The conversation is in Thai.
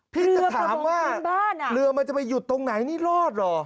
พี่จะถามว่าเรือมันจะไปหยุดตรงไหนนี่รอดเหรอ